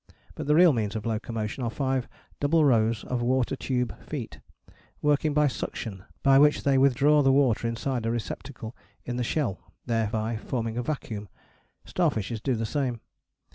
But the real means of locomotion are five double rows of water tube feet, working by suction, by which they withdraw the water inside a receptacle in the shell, thereby forming a vacuum; starfishes do the same.